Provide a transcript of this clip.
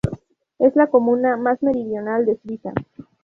Es la comuna más meridional de Suiza.